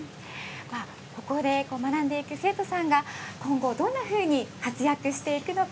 ここで学んでいく生徒さんが今後どんなふうに活躍していくのか